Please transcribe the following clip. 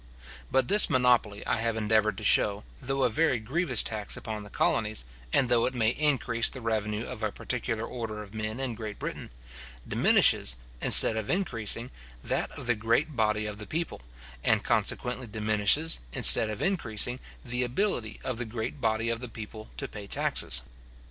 But this monopoly, I have endeavoured to show, though a very grievous tax upon the colonies, and though it may increase the revenue of a particular order of men in Great Britain, diminishes, instead of increasing, that of the great body of the people, and consequently diminishes, instead of increasing, the ability of the great body of the people to pay taxes.